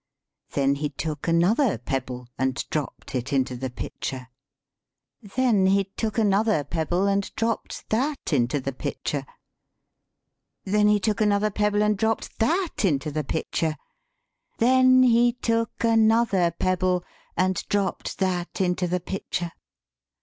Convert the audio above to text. Then he took another pebble and dropped it into the pitcher. Then he took another pebble and dropped that into the pitcher. Then he took another pebble and dropped that into the 109 THE SPEAKING VOICE pitcher. Then he took another pebble and dropped that into the pitcher.